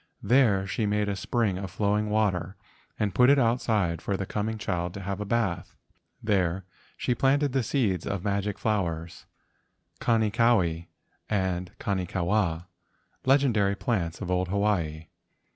There she made a spring of flowing water and put it outside for the coming child to have as a bath. There she planted the seeds of magic flowers, Kanikawi and Kanikawa, 128 LEGENDS OF GHOSTS legendary plants of old Hawaii.